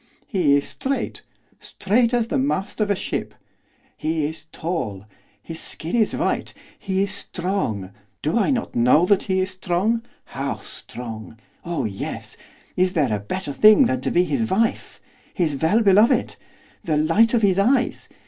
'He is straight, straight as the mast of a ship, he is tall, his skin is white; he is strong do I not know that he is strong how strong! oh yes! Is there a better thing than to be his wife? his well beloved? the light of his eyes?